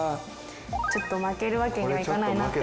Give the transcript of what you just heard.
ちょっと負けるわけにはいかないなって。